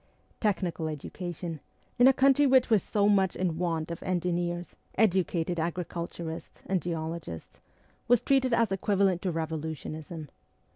Technical education in a country which was so much in want of engineers, educated agriculturists, and geologists was treated as equivalent to revolu tionism.